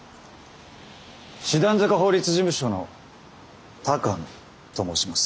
師団坂法律事務所の鷹野と申します。